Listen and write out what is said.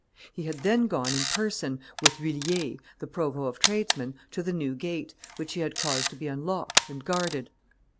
He had then gone in person, with L'Huillier, the provost of tradesmen, to the New Gate, which he had caused to be unlocked and guarded.